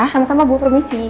sama sama bu permisi